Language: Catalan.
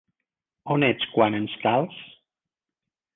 On ets quan ens cals?